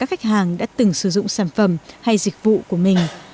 các khách hàng đã từng sử dụng sản phẩm hay dịch vụ của mình